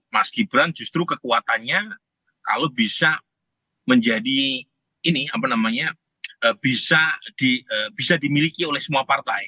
mas gibran justru kekuatannya kalau bisa menjadi ini apa namanya bisa dimiliki oleh semua partai